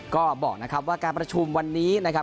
ก็บอกนะครับว่าการประชุมวันนี้นะครับ